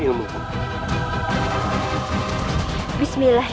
ibu bunda disini narasi